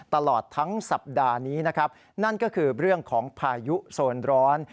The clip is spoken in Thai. ตลอดทั้งสัปดาห์นี้นะครับนั่นก็คือเรื่องของพายุโซนร้อน